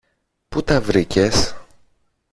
Πού τα βρήκες;